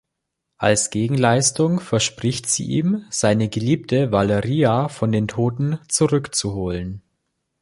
Als Gegenleistung verspricht sie ihm, seine geliebte Valeria von den Toten zurückzuholen.